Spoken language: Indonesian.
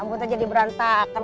ampun aja diberantakan